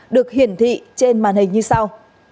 được hiển thị trên màn hình như sau